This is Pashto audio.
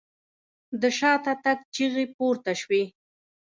د شاته تګ چيغې پورته شوې.